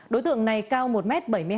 đối tượng này cao một m bảy mươi hai